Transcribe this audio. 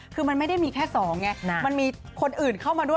คือมันไม่ได้มีแค่๒ไงมันมีคนอื่นเข้ามาด้วย